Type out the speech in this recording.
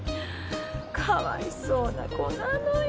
かわいそうな子なのよ